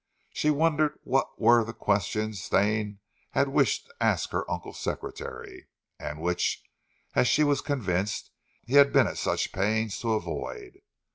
She wondered what were the questions Stane had wished to ask her uncle's secretary; and which, as she was convinced, he had been at such pains to avoid.